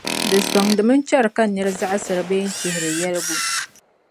Di sͻŋdimi n-chɛri ka nira zaɣisiri bee n-chihiri yɛligu.